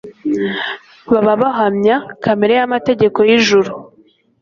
baba bahamya kamere y'amategeko y'ljuru.